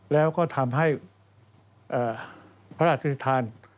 แล้วก็ทำให้พระอาทิตย์ธาน